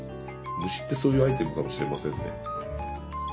虫ってそういうアイテムかもしれませんね。